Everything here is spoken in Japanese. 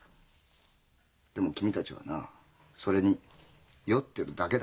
でも君たちはなそれに酔ってるだけだ。